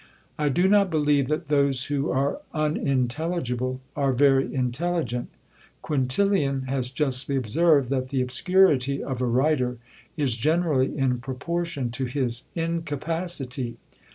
I do not believe that those who are unintelligible are very intelligent. Quintilian has justly observed, that the obscurity of a writer is generally in proportion to his incapacity.